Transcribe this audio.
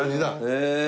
へえ。